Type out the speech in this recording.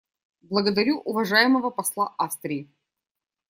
Благодарю уважаемого посла Австрии.